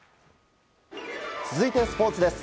続いてスポーツです。